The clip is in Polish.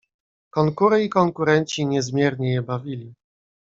"Konkury i konkurenci niezmiernie je bawili."